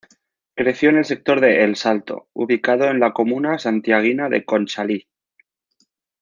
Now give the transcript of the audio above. Creció en el sector de El Salto, ubicado en la comuna santiaguina de Conchalí.